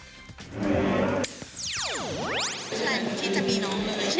แทนที่จะมีน้องเลย